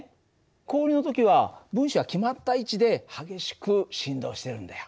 氷の時は分子は決まった位置で激しく振動してるんだよ。